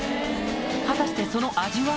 果たしてその味は？